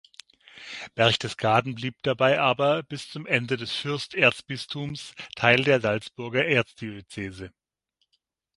Berchtesgaden blieb dabei aber bis zum Ende des Fürsterzbistums Teil der Salzburger Erzdiözese.